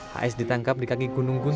hs ditangkap di kaki gunung gun